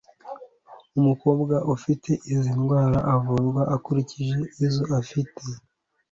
Umukobwa ufite izi ndwara avurwa hakurikijwe izo afite